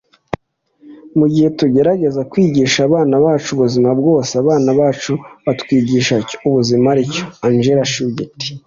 mugihe tugerageza kwigisha abana bacu ubuzima bwose, abana bacu batwigisha icyo ubuzima aricyo. - angela schwindt